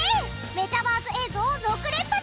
メチャバーズ映像６連発！